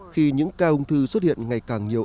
khi những ca ung thư xuất hiện ngày càng nhiều